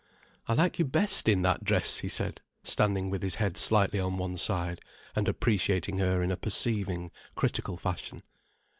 "I like you best in that dress," he said, standing with his head slightly on one side, and appreciating her in a perceiving, critical fashion.